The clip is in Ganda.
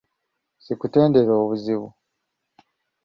Sikutendera obuzibu!